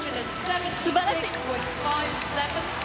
素晴らしい！